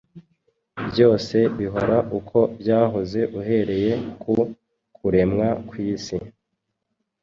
byose bihora uko byahoze uhereye ku kuremwa kw’isi